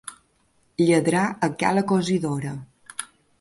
Lladrar a ca la cosidora.